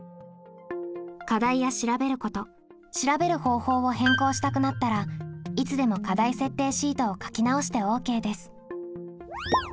課題や調べること調べる方法を変更したくなったらいつでも課題設定シートを書き直してＯＫです。